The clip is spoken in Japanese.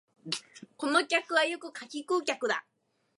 この客はよく柿食う客だ